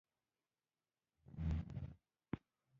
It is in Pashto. پنېر د ښار بازارونو کې هم موندل کېږي.